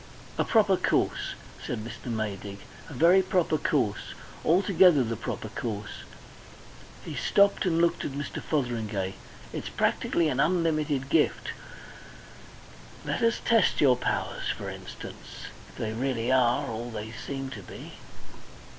"A proper course," said Mr. Maydig, "a very proper course altogether the proper course." He stopped and looked at Mr. Fotheringay. "It's practically an unlimited gift. Let us test your powers, for instance. If they really are ... If they really are all they seem to be."